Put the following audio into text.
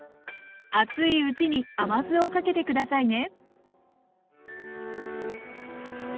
熱いうちに甘酢をかけて下さいね。